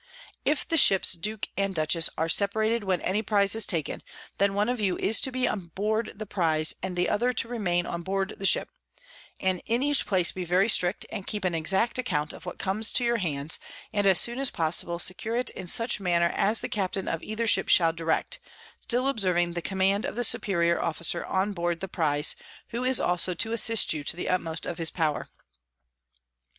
_ If the Ships Duke and Dutchess _are separated when any Prize it taken, then one of you is to be on board the Prize, and the other to remain on board the Ship; and in each place be very strict, and keep an exact Account of what comes to your hands, and as soon as possible secure it in such manner as the Captain of either Ship shall direct: still observing the Command of the superior Officer on board the Prize, who is also to assist you to the utmost of his power.